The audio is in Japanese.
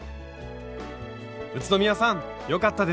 宇都宮さんよかったですね！